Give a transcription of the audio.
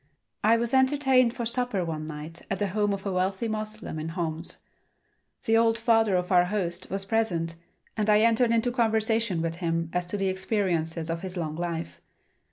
I was entertained for supper one night at the home of a wealthy Moslem in Homs. The old father of our host was present and I entered into conversation with him as to the experiences of his long life.